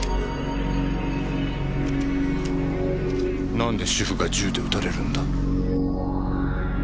何で主婦が銃で撃たれるんだ？